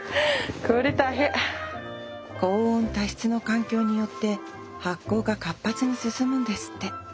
高温多湿の環境によって発酵が活発に進むんですって。